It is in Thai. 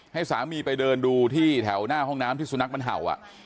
ให้สามีไปเดินดูที่แถวหน้าห้องน้ำที่สุนัขมันเห่า